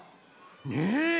ねえ。